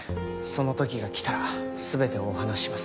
その時が来たら全てお話しします。